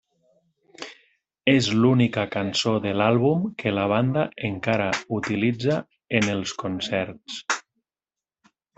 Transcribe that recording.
És l'única cançó de l'àlbum que la banda encara utilitza en els concerts.